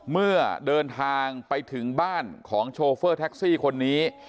เมื่อเดินทางไปถึงบ้านของโชเฟอร์แท็กซี่คนนี้